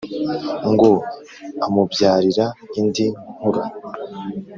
ngo amubyarire indi nkura,